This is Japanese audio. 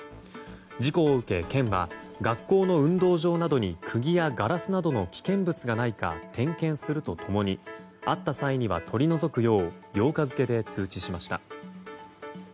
事故を受け県は学校の運動場などに釘やガラスなどの危険物がないか点検すると共にあった際には、取り除くよう８日付で通知しました。